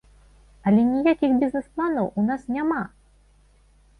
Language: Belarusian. Але ніякіх бізнэс-планаў у нас няма!